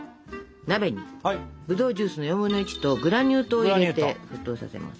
鍋にぶどうジュースの４分の１とグラニュー糖を入れて沸騰させます。